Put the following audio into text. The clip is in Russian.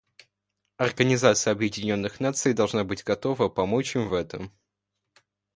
Организация Объединенных Наций должна быть готова помочь им в этом.